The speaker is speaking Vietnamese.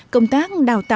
công tác đào tạo